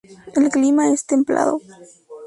El clima es templado.